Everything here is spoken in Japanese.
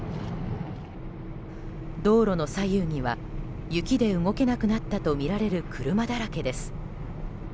道路の左右には雪で動けなくなったとみられる車だらけです。